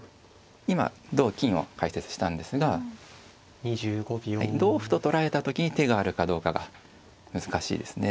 今同金を解説したんですが同歩と取られた時に手があるかどうかが難しいですね。